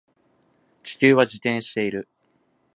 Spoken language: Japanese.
地球は自転している